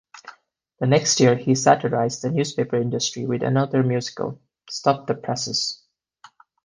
The next year he satirized the newspaper industry with another musical, Stop the Presses.